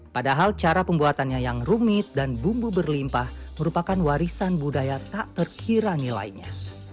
padahal cara pembuatannya yang rumit dan bumbu berlimpah merupakan warisan budaya tak terkira nilainya